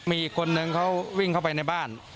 มีอีกคนนึงเขาวิ่งเข้าไปในบ้าน